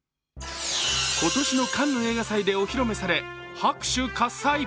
今年のカンヌ映画祭でお披露目され、拍手喝采。